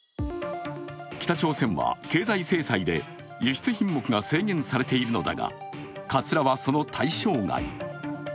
北朝鮮は経済制裁で輸出品目が制限されているのだが、かつらはその対象外。